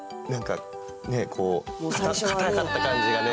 固かった感じがね